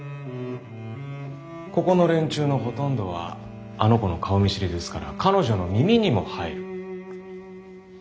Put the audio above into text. ここの連中のほとんどはあの子の顔見知りですから彼女の耳にも入る。